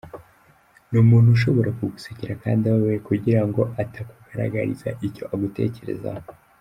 Ni umuntu ushobora kugusekera kandi ababaye kugira ngo atakugaragariza icyo agutekerezaho.